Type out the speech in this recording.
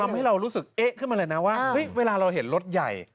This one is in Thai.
ทำให้เรารู้สึกเอ๊ะขึ้นมาเลยนะว่าเฮ้ยเวลาเราเห็นรถใหญ่